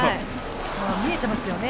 見えていますよね